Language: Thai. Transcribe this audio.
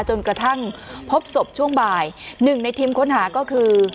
จนกระทั่งพบศพช่วงบ่ายหนึ่งในทีมค้นหาก็คือ